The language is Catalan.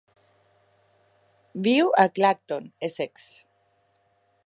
Viu a Clacton, Essex.